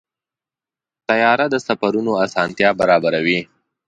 طیاره د سفرونو اسانتیا برابروي.